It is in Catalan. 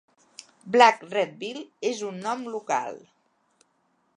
"Black redbill" és un nom local.